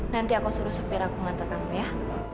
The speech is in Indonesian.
nanti aku suruh sepir aku ngantarkanmu ya